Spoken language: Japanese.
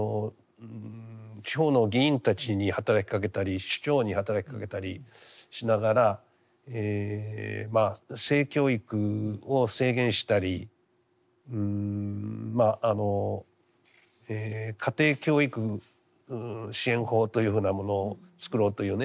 地方の議員たちに働きかけたり首長に働きかけたりしながら性教育を制限したり家庭教育支援法というふうなものを作ろうというね。